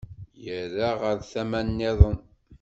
Yerra ɣer tama nniḍen.